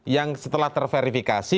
yang setelah terverifikasi